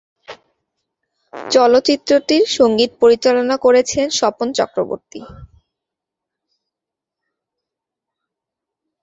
চলচ্চিত্রটির সঙ্গীত পরিচালনা করেছিলেন স্বপন চক্রবর্তী।